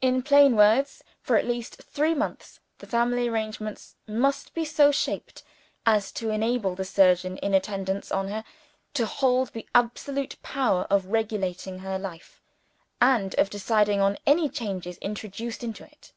In plain words, for at least three months the family arrangements must be so shaped, as to enable the surgeon in attendance on her to hold the absolute power of regulating her life, and of deciding on any changes introduced into it.